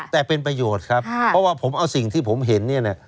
แต่เป็นประโยชน์ครับเพราะว่าผมเอาสิ่งที่ผมเห็นเนี่ยนะ